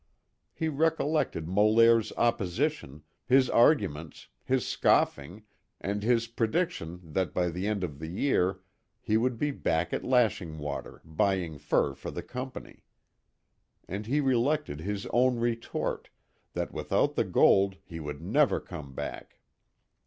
He recollected Molaire's opposition, his arguments, his scoffing, and his prediction that by the end of a year he would be back at Lashing Water buying fur for the Company. And he recollected his own retort, that without the gold he would never come back.